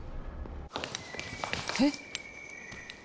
えっ？